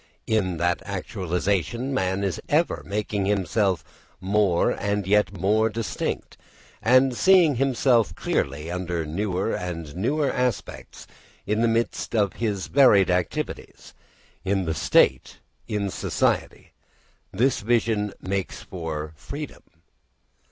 In that actualisation man is ever making himself more and yet more distinct, and seeing himself clearly under newer and newer aspects in the midst of his varied activities, in the state, in society. This vision makes for freedom.